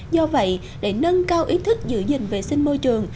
do vậy để nâng cao ý thức giữ gìn vệ sinh môi trường